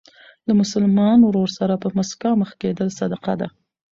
له مسلمان ورور سره په مسکا مخ کېدل صدقه ده.